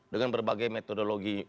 dengan berbagai metodologi